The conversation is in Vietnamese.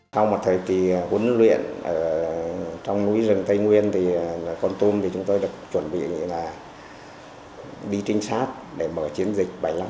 sau một thời kỳ huấn luyện trong núi rừng tây nguyên con tum chúng tôi được chuẩn bị đi trinh sát để bởi chiến dịch bảy mươi năm